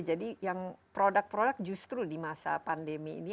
jadi yang produk produk justru di masa pandemi ini